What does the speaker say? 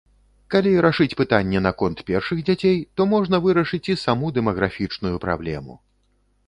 Калі рашыць пытанне наконт першых дзяцей, то можна вырашыць і саму дэмаграфічную праблему!